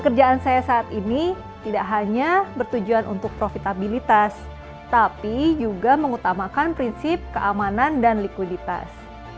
pekerjaan saya saat ini tidak hanya bertujuan untuk profitabilitas tapi juga mengutamakan prinsip keamanan dan likuiditas